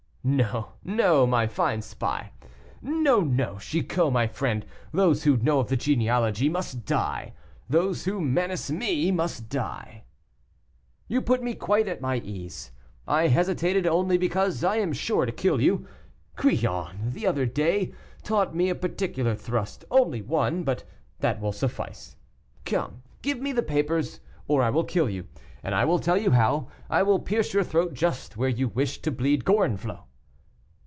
"No, no, my fine spy; no, no, Chicot, my friend, those who know of the genealogy must die. Those who menace me must die." "You put me quite at my ease; I hesitated only because I am sure to kill you. Crillon, the other day, taught me a particular thrust, only one, but that will suffice. Come, give me the papers, or I will kill you; and I will tell you how I will pierce your throat just where you wished to bleed Gorenflot."